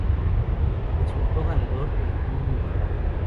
Resultó ganador el club Libertad.